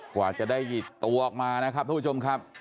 กว่าจะได้หยิบตัวออกมานะครับทุกผู้ชมครับ